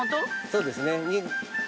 そうです